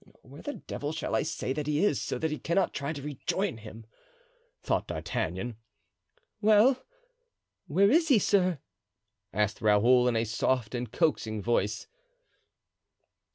"Where the devil shall I say that he is, so that he cannot try to rejoin him?" thought D'Artagnan. "Well, where is he, sir?" asked Raoul, in a soft and coaxing voice.